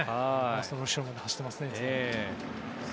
その後ろまで走っていますね。